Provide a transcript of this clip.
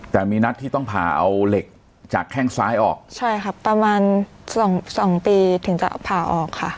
แต่มีนัดที่ต้องผ่าเอาเหล็กจากแข้งซ้ายออกใช่ครับประมาณสองสองปีถึงจะเอาผ่าออกค่ะ